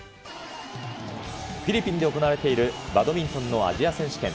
フィリピンで行われているバドミントンのアジア選手権。